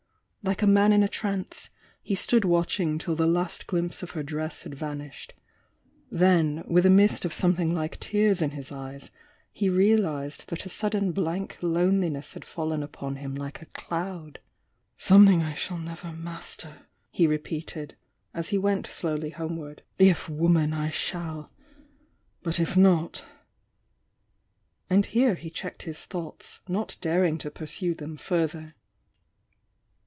Like a man in a trance, he stood watching till the last glimpse of her dress had vanished — then, with a mist of something like tears in his eyes, he realised that a sudden blank loneliness had fallen upon him like a cloud. "Something I shall never master!" he repeated, as he went dowly homeward. "If woman I shall!— but if not ",. And here he checked his thoughts, not daring to pursue them further.